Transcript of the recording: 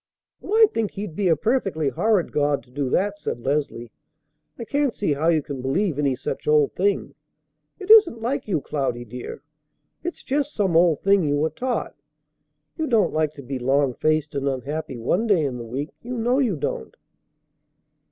"Well, I think He'd be a perfectly horrid God to do that!" said Leslie. "I can't see how you can believe any such old thing. It isn't like you, Cloudy, dear; it's just some old thing you were taught. You don't like to be long faced and unhappy one day in the week, you know you don't."